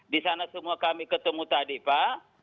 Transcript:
di sana semua kami ketemu tadi pak